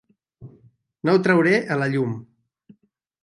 No ho trauré a la llum.